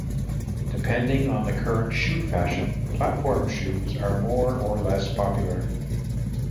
Depending on the current shoe fashion platform shoes are more or less popular.